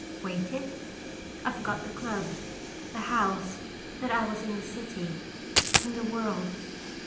Waited? I forgot the club, the house, that I was in the city, in the world.